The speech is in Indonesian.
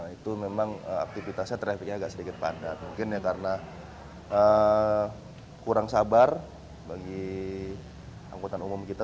itu memang aktivitasnya trafficnya agak sedikit padat mungkin ya karena kurang sabar bagi angkutan umum kita